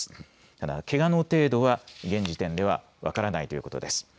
ただ、けがの程度は現時点では分からないということです。